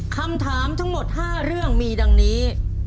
คำถามทั้งหมด๕เรื่องมีดังนี้